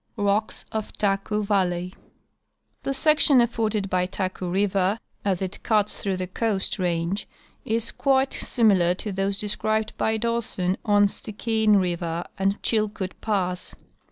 Rocks of Taku Valley.— T\ie section afforded by Taku river as it cuts through the Coast range is quite similar to those described by Dawson on Stikine river and Chilkoot pass.